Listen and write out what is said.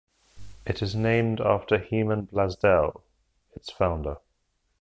It is named after Heman Blasdell, its founder.